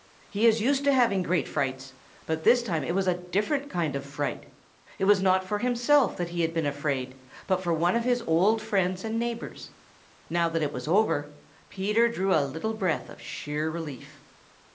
He is used to having great frights, but this time it was a different kind of a fright. It was not for himself that he had been afraid but for one of his old friends and neighbors. Now that it was over, Peter drew a little breath of sheer relief.